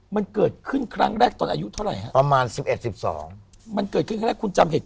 มันเกิดเกิดขึ้นเรื่องแรกตอนอายุเท่าไหร่ฮะ